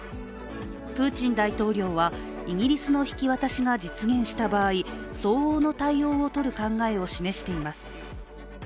プーチン大統領はイギリスの引き渡しが実現した場合、相応の対応を取る考えを示しています。